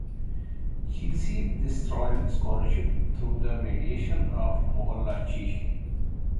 She received this royal scholarship through the mediation of Morlacchi.